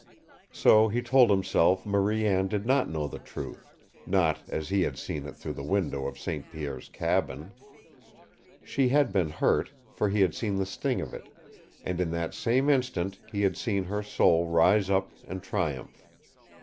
So he told himself Marie Anne did not know the truth, not as he had seen it through the window of St. Pierre's cabin. She had been hurt, for he had seen the sting of it, and in that same instant he had seen her soul rise up and triumph.